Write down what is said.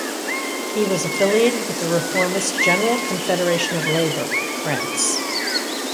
He was affiliated with the reformist General Confederation of Labour (France).